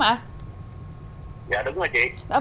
dạ đúng rồi chị